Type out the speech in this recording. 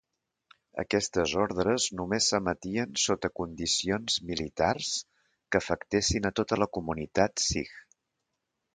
Aquestes ordres només s'emetien sota condicions militars que afectessin a tota la comunitat sikh.